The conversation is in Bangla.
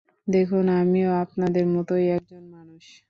দেখুন, আমিও আপনাদের মতোই একজন মানুষ!